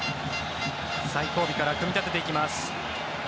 最後尾から組み立てていきます。